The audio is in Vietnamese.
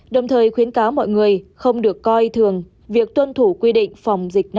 đồng thời khuyến cáo mọi người không được coi thường việc tuân thủ quy định phòng dịch năm k